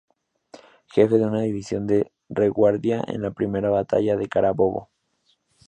Jefe de una división de retaguardia en la Primera Batalla de Carabobo.